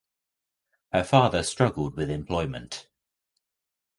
Her father struggled with employment.